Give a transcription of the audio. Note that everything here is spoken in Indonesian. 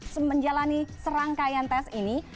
setelah menjalani serangkaian tes ini